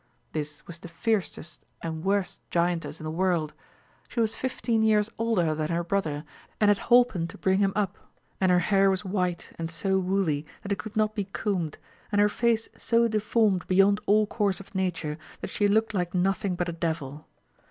This was the fiercest and worst giantess in the world ; she was fifteen years older than her brother, and had holpen to bring him up, and her hair was white and so woolly that it could not be combed, and her face so deformed beyond all course of nature, that she looked like nothing but a devil.